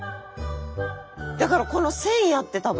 だからこの線やって多分。